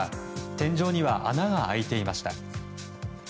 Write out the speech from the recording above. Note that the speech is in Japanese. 天井には穴が開いていました。